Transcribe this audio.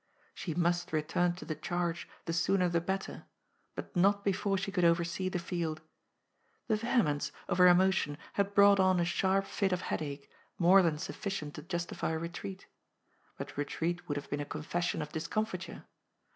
She must return to the charge, the sooner the better, but not before she could oversee the field. The vehemence of her emotion had brought on a sharp fit of headache, more than sufficient to justify retreat. But retreat would have been a confession of discomfiture.